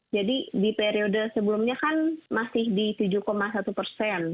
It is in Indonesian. jadi di periode sebelumnya kan masih di tujuh satu persen